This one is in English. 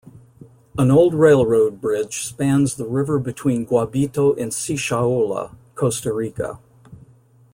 An old railroad bridge spans the river between Guabito and Sixaola, Costa Rica.